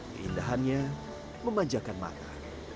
keindahannya memanjakan mata